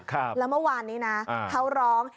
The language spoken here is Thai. แล้วเมื่อวานนี้นะเขาร้อง